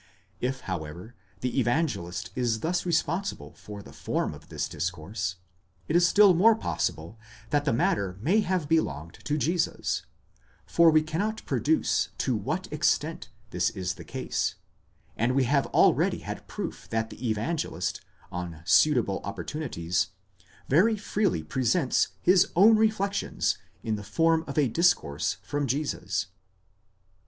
If however the Evangelist is thus responsible for the form of this discourse, it is still possible that the matter may have be longed to Jesus, but we cannot pronounce to what extent this is the case, and we have already had proof that the Evangelist, on suitable opportunities, very freely presents his own reflections in the form of a discourse from Jesus.